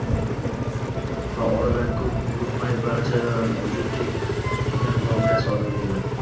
Va oradan koʻp oʻtmay barcha vujud tutgan voqea sodir boʻladi